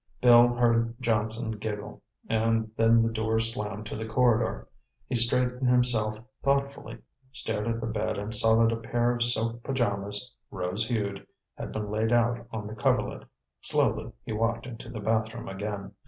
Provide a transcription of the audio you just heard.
Bill heard Johnson giggle, and then the door slammed to the corridor. He straightened himself thoughtfully, stared at the bed and saw that a pair of silk pajamas, rose hued, had been laid out on the coverlet. Slowly he walked into the bathroom again.